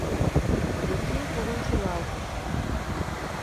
— Зосим кугун шӱлалтыш.